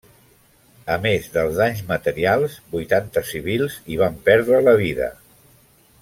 A més dels danys materials, vuitanta civils hi van perdre la vida.